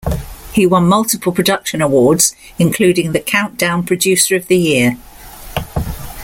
He won multiple production awards, including the Countdown Producer of the Year.